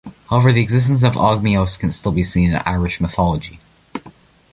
However the existence of Ogmios can still be seen in Irish mythology.